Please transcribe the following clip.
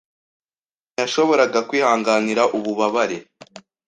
ntiyashoboraga kwihanganira ububabare.